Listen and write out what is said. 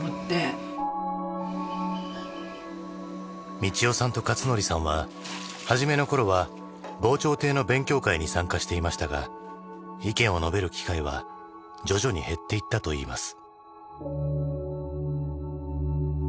美千代さんと勝則さんは初めのころは防潮堤の勉強会に参加していましたが意見を述べる機会は徐々に減っていったといいます。